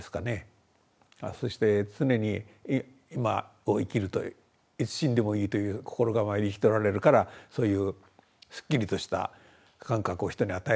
そして常に今を生きるといういつ死んでもいいという心構えで生きておられるからそういうすっきりとした感覚を人に与えるんでしょうかね。